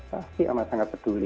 pasti amat sangat peduli